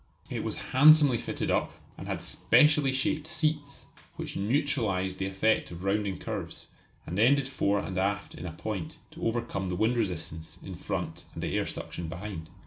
It was handsomely fitted up, and had specially shaped seats which neutralised the effect of rounding curves, and ended fore and aft in a point, to overcome the wind resistance in front and the air suction behind.